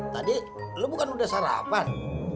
tadi lo bukan udah sarapan